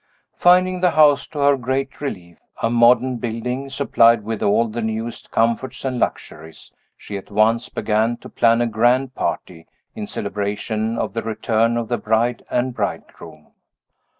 Finding the house, to her great relief, a modern building, supplied with all the newest comforts and luxuries, she at once began to plan a grand party, in celebration of the return of the bride and bridegroom.